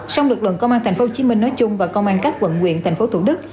song lực lượng công an tp hcm nói chung và công an các quận quyền tp thủ đức